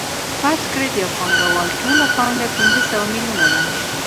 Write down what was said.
فرض کړئ د یو پانګوال ټوله پانګه پنځه سوه میلیونه ده